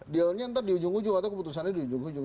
dealnya ntar di ujung ujung atau keputusannya di ujung ujung